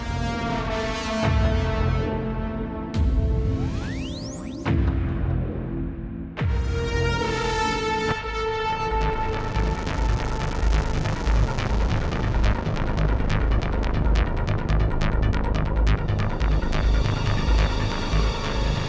dan yang terpilih adalah